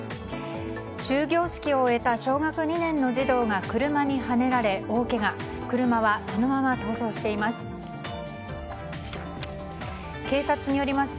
終業式を終えた小学２年の児童が車にはねられ大けが車はそのまま逃走しています。